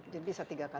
jadi bisa tiga juta